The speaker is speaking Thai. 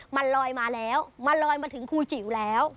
มันลอยมาแล้วมันลอยมาถึงครูจิ๋วแล้ว